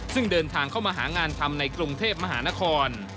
ซึ่งเดินทางเข้ามาหางานทำในกรุงเทพมหานคร